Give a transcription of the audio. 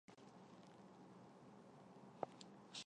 高压共轨燃油直喷是汽油机与柴油机的一种燃油直喷技术。